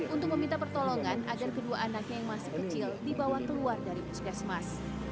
untuk meminta pertolongan agar kedua anaknya yang masih kecil dibawa keluar dari puskesmas